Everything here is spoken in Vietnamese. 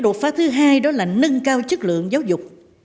đột phá thứ hai đó là nâng cao chất lượng giáo dục